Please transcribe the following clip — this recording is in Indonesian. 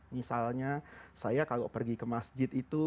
misalnya saya kalau pergi ke masjid itu